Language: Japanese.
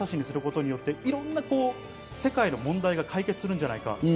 宇宙を物差しにすることによっていろんな世界の問題が解決するんじゃないか。